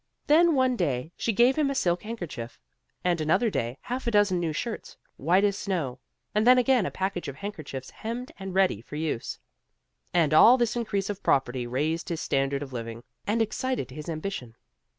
Then one day she gave him a silk handkerchief; and another day half a dozen new shirts, white as snow; and then again a package of handkerchiefs hemmed and ready for use; and all this increase of property raised his standard of living, and excited his ambition.